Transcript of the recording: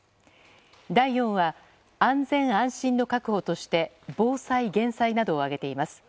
第４は、安全・安心の確保として防災・減災などを挙げています。